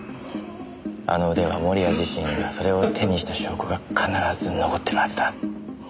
あの腕は盛谷自身がそれを手にした証拠が必ず残ってるはずだ。